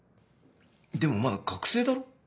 でもまだ学生だろ？